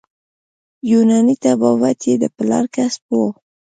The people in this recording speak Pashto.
یوناني طبابت یې د پلار کسب وو.